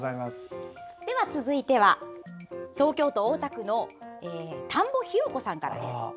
続いては、東京都大田区のたんぼひろこさんからです。